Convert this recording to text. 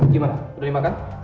gimana udah dimakan